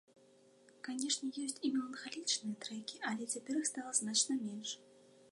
Канешне, ёсць і меланхалічныя трэкі, але цяпер іх стала значна менш.